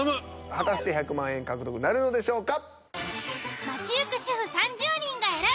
果たして１００万円獲得なるのでしょうか。